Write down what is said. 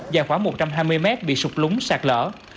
dài khoảng một trăm hai mươi mét bị sụp lúng sạt lỡ